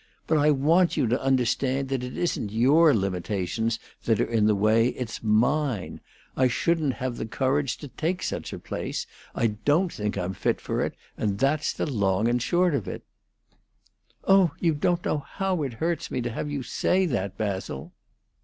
But I want you to understand that it isn't your limitations that are in the way. It's mine. I shouldn't have the courage to take such a place; I don't think I'm fit for it, and that's the long and short of it." "Oh, you don't know how it hurts me to have you say that, Basil."